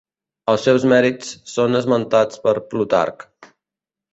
Els seus mèrits són esmentats per Plutarc.